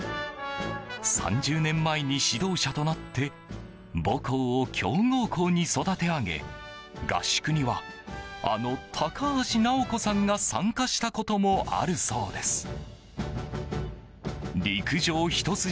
３０年前に指導者となって母校を強豪校に育て上げ合宿には、あの高橋尚子さんが参加したこともあるそうです。